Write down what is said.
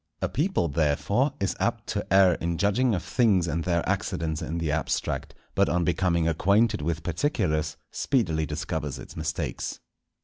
A people therefore is apt to err in judging of things and their accidents in the abstract, but on becoming acquainted with particulars, speedily discovers its mistakes.